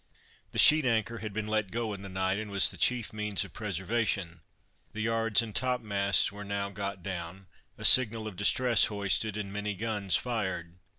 The sheet anchor had been let go in the night, and was the chief means of preservation; the yards and topmasts were now got down, a signal of distress hoisted, and many guns fired.